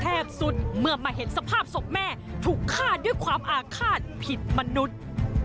สุดเมื่อมาเห็นสภาพศพแม่ถูกฆ่าด้วยความอาฆาตผิดมนุษย์